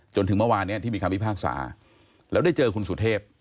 จนถึงเมื่อวานนี้ที่มีคำพิพากษาแล้วได้เจอคุณสุเทพ